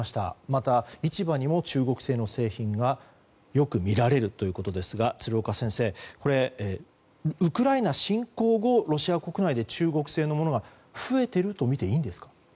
また、市場にも中国製の製品がよく見られるということで鶴岡先生これはウクライナ侵攻後ロシア国内で中国製のものが増えているとみていいんでしょうか。